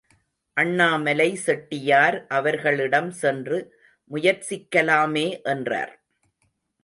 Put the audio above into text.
அண்ணாமலை செட்டியார் அவர்களிடம் சென்று முயற்சிக்கலாமே என்றார்.